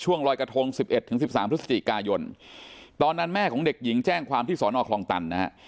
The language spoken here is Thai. รอยกระทง๑๑๑๓พฤศจิกายนตอนนั้นแม่ของเด็กหญิงแจ้งความที่สอนอคลองตันนะฮะ